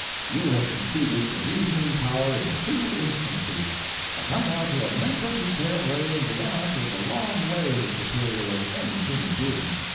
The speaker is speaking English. You have conceded the reasoning power in two instances. I come now to a mental detail wherein the ant is a long way the superior of any human being.